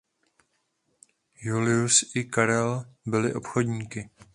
Julius i Karel byli obchodníky.